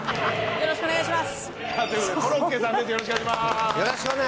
よろしくお願いします